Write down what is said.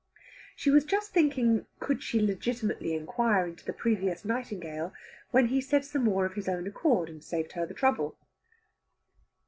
She was just thinking could she legitimately inquire into the previous Nightingale, when he said some more of his own accord, and saved her the trouble.